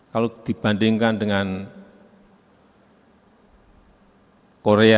kalau dibandingkan dengan korea